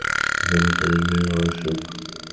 যাক, দলে টানিল এই আমার সুখ।